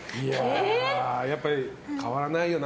やっぱり変わらないよな